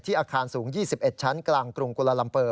อาคารสูง๒๑ชั้นกลางกรุงกุลาลัมเปอร์